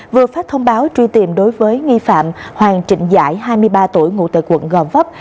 vừa phát thông báo truy tìm đối với nghi phạm hoàng trịnh giải hai mươi ba tuổi ngụ tại quận gò vấp